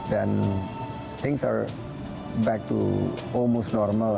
dan hal hal kembali ke normal